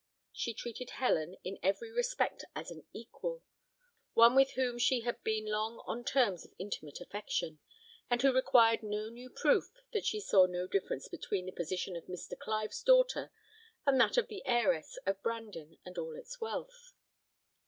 She treated Helen in every respect as an equal: one with whom she had been long on terms of intimate affection, and who required no new proof that she saw no difference between the position of Mr. Clive's daughter and that of the heiress of Brandon and all its wealth.